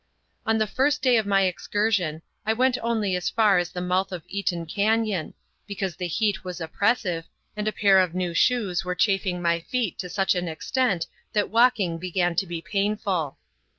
On the first day of my excursion I went only as far as the mouth of Eaton Cañon, because the heat was oppressive, and a pair of new shoes were chafing my feet to such an extent that walking began to be painful.